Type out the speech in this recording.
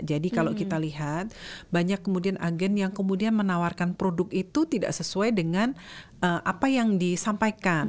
jadi kalau kita lihat banyak kemudian agen yang kemudian menawarkan produk itu tidak sesuai dengan apa yang disampaikan